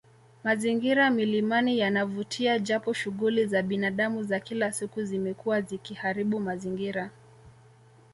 Mazingira milimani yanavutia japo shughuli za binadamu za kila siku zimekuwa zikiharibu mazingira